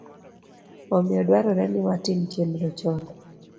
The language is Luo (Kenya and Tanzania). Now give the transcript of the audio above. Omiyo, dwarore ni watim chenro chon